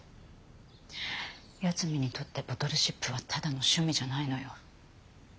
八海にとってボトルシップはただの趣味じゃないのよ。